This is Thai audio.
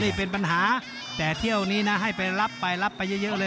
นี่เป็นปัญหาแต่เที่ยวนี้นะให้ไปรับไปรับไปเยอะเลย